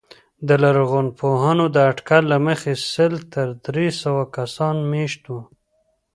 د لرغونپوهانو د اټکل له مخې سل تر درې سوه کسان مېشت وو